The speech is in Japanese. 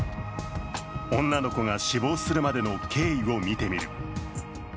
女の子が死亡するまでの経緯を見てみる。